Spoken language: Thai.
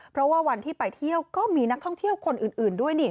เพราะว่าวันที่ไปเที่ยวก็มีนักท่องเที่ยวคนอื่นด้วยนี่